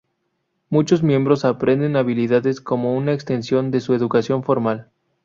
Muchos miembros aprenden habilidades como una extensión de su educación formal.